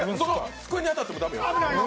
机に当たっても駄目よ。